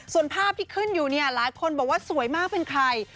ส่วนภาพที่ขึ้นอยู่เนี่ยหลายคนบอกว่าสวยมากเป็นใคร